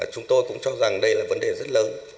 chúng tôi cũng cho rằng đây là vấn đề rất lớn